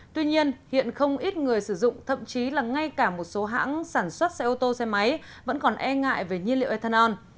tuy nhiên hiện không ít người sử dụng thậm chí là ngay cả một số hãng sản xuất xe ô tô xe máy vẫn còn e ngại về nhiên liệu ethanol